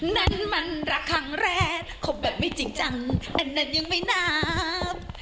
นั่นมันรักครั้งแรกคบแบบไม่จริงจังอันนั้นยังไม่นับ